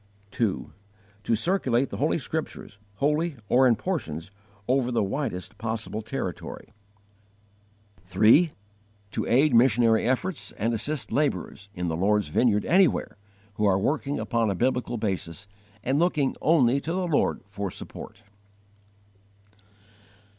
2. To circulate the Holy Scriptures, wholly or in portions, over the widest possible territory. 3. To aid missionary efforts and assist labourers, in the Lord's vineyard anywhere, who are working upon a biblical basis and looking only to the Lord for support.